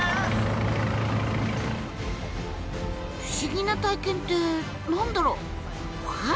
不思議な体験って何だろう？